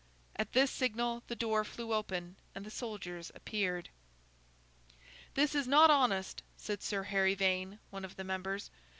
At this signal the door flew open, and the soldiers appeared. 'This is not honest,' said Sir Harry Vane, one of the members.